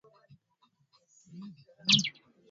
Atuna na ruusa ya ku uzisha ile kiwanza yake